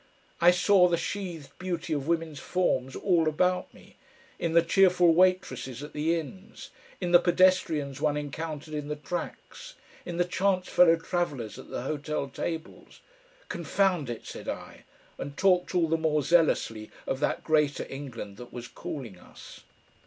I saw the sheathed beauty of women's forms all about me, in the cheerful waitresses at the inns, in the pedestrians one encountered in the tracks, in the chance fellow travellers at the hotel tables. "Confound it!" said I, and talked all the more zealously of that greater England that was calling us.